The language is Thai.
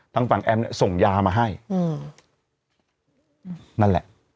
ทางฝั่งแอมส่งยามาให้นั่นแหละ